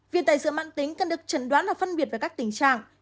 viêm tay giữa mạng tính cần được chẩn đoán và phân biệt về các tình trạng